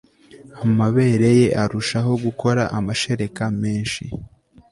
amabere ye arushaho gukora amashereka menshi